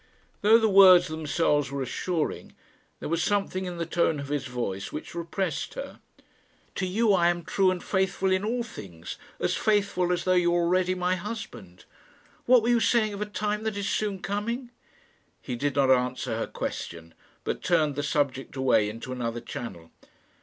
Though the words themselves were assuring, there was something in the tone of his voice which repressed her. "To you I am true and faithful in all things; as faithful as though you were already my husband. What were you saying of a time that is soon coming?" He did not answer her question, but turned the subject away into another channel.